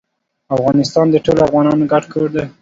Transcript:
افغانستان د ټولو افغانانو ګډ کور دی.